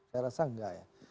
saya rasa enggak ya